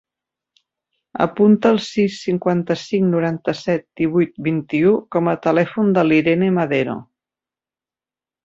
Apunta el sis, cinquanta-cinc, noranta-set, divuit, vint-i-u com a telèfon de l'Irene Madero.